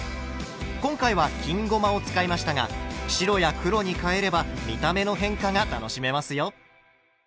今回は金ごまを使いましたが白や黒に変えれば見た目の変化が楽しめますよ。